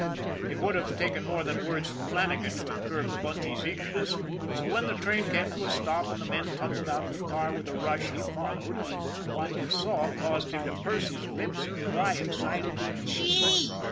It would have taken more than words from Flanna gan to have curbed Bunty's eagerness; so when the train came to a stop and the men tumbled out of the car with a rush, he followed. What he saw caused him to purse his lips and cry excitedly, " Gee